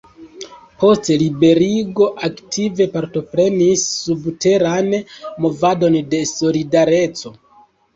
Post liberigo aktive partoprenis subteran movadon de Solidareco.